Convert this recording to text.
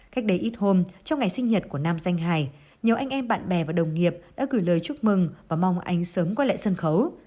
cách đây ít hôm trong ngày sinh nhật của nam danh hải nhiều anh em bạn bè và đồng nghiệp đã gửi lời chúc mừng và mong anh sớm quay lại sân khấu